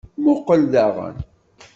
Muqqel daɣen.